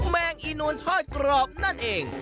แมงอีนวลทอดกรอบนั่นเอง